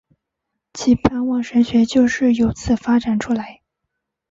其盼望神学就是有此发展出来。